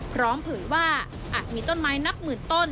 เผยว่าอาจมีต้นไม้นับหมื่นต้น